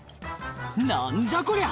何じゃこりゃ！